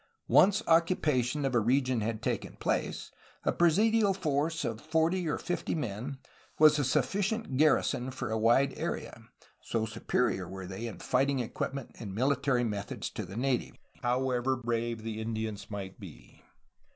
Once occupation of a region had taken place, a presidial force of forty or fifty men was a sufficient garrison for a wide area, so superior were they in fighting equipment and mili tary methods to the natives, however brave the Indians might be.